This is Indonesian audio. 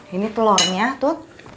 ini telornya tut